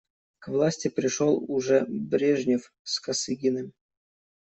К власти пришел уже Брежнев с Косыгиным.